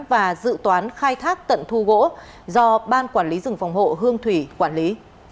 và dự toán khai thác tận thu gỗ do ban quản lý rừng phòng hộ hương thủy quản lý